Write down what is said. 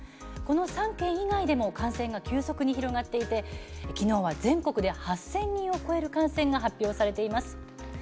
この３県以外でも感染が急速に広がっていて、きのうは全国で８０００人を超える感染が発表されています。